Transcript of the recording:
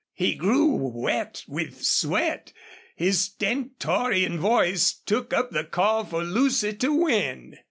He grew wet with sweat. His stentorian voice took up the call for Lucy to win.